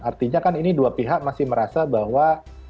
artinya kan ini dua pihak masih merasa bahwa